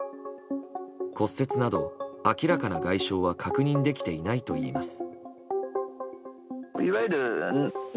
骨折など明らかな外傷は確認できていないといいます。